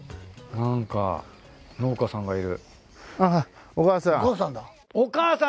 なんか農家さんがいる。